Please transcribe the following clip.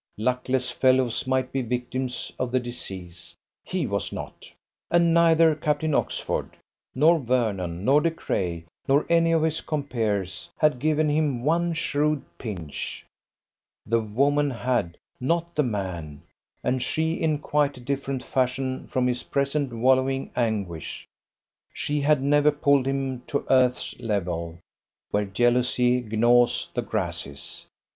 Luckless fellows might be victims of the disease; he was not; and neither Captain Oxford, nor Vernon, nor De Craye, nor any of his compeers, had given him one shrewd pinch: the woman had, not the man; and she in quite a different fashion from his present wallowing anguish: she had never pulled him to earth's level, where jealousy gnaws the grasses.